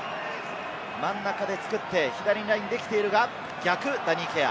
真ん中で作って左にラインができているが、逆、ダニー・ケア。